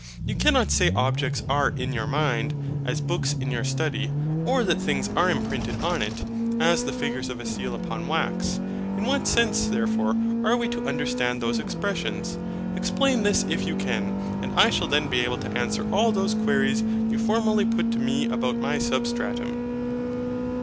You cannot say objects are in your mind, as books in your study: or that things are imprinted on it, as the figure of a seal upon wax. In what sense, therefore, are we to understand those expressions? Explain me this if you can: and I shall then be able to answer all those queries you formerly put to me about my SUBSTRATUM.